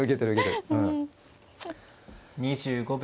２５秒。